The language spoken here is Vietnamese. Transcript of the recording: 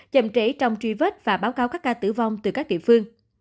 chậm trễ trong truy vết và báo cáo các ca tử vong từ các địa phương